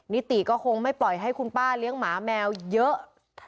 นิติก็คงไม่ปล่อยให้คุณป้าเลี้ยงหมาแมวเยอะ